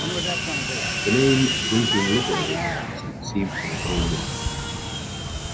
The name Drinking Liberally was conceived by Owen Roth.